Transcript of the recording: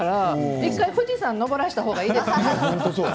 １回、富士山に登らした方がいいですね。